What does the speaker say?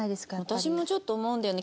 私もちょっと思うんだよね。